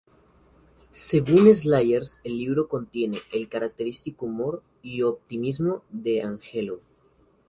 Según Slayers, el libro contiene "el característico humor y optimismo de Angelou".